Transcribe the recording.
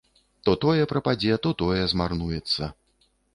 То тое прападзе, то тое змарнуецца.